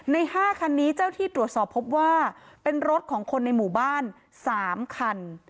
ใน๕คันนี้เจ้าที่ตรวจสอบพบว่าเป็นรถของคนในหมู่บ้าน๓คัน